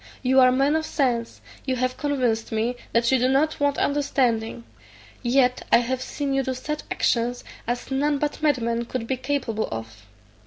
You are men of sense, you have convinced me that you do not want understanding; yet, I have seen you do such actions as none but madmen could be capable of.